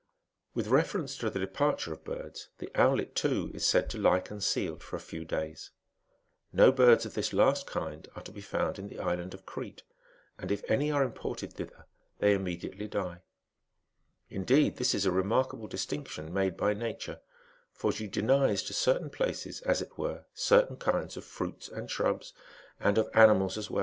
With reference to the departure of birds, the owlet, too, is said to lie concealed for a few days. No birds of this last kind are to be found in the island of Crete, and if any are imported thither, they immediately die. Indeed, this is a remarkable distinction made by Nature ; for she denies to certain places, as it were, certain kinds of fruits and shrubs, and of animals as ^5 No doubt, as Cuvier says, this was the Numida meleagris of Liimseus, Guinea hen, or pintada.